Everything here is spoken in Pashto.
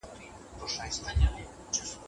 نن د جمعې مبارکه ورځ ده.